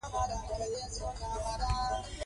که د غازیانو شمېر لږ وي، نو ماتي سره مخامخ کېږي.